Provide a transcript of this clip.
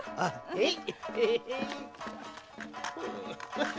へい！